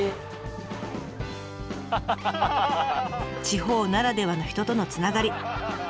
地方ならではの人とのつながり。